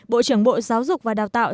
bộ trưởng bộ giáo dục và đào tạo